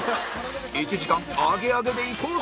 １時間アゲアゲでいこうぜ！